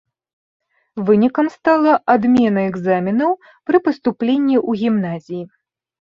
Вынікам стала адмена экзаменаў пры паступленні ў гімназіі.